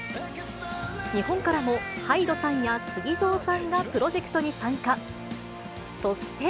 日本からもＨＹＤＥさんやスギゾーさんがプロジェクトに参加。